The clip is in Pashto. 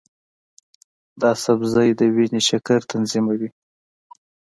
دا سبزی د وینې شکر تنظیموي.